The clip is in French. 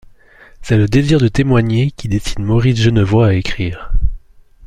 C'est le désir de témoigner qui décide Maurice Genevoix à écrire.